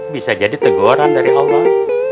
bisa jadi teguran dari allah